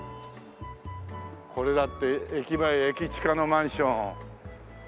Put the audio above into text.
これだって駅前駅近のマンション。